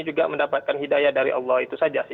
juga mendapatkan hidayah dari allah itu saja sih